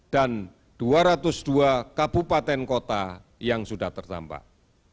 dan dua ratus dua kabupaten kota yang sudah terdampak